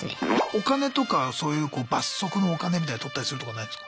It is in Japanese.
お金とかそういう罰則のお金みたいの取ったりするとかないんすか？